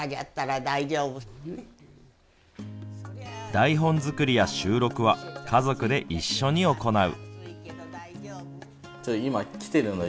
台本づくりや収録は家族で一緒に行う。